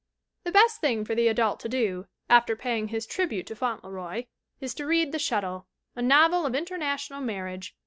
The best thing for the adult to do, after paying his tribute to Fauntleroy, is to read The Shuttle, "a novel of international marriage."